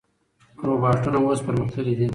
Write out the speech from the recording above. روباټونه اوس پرمختللي دي.